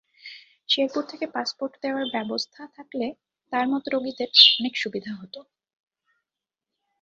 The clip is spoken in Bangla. শেরপুর থেকে পাসপোর্ট দেওয়ার ব্যবস্থা থাকলে তাঁর মতো রোগীদের অনেক সুবিধা হতো।